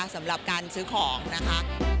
สำหรับการซื้อของนะคะ